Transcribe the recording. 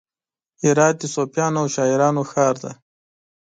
هرات د صوفیانو او شاعرانو ښار دی.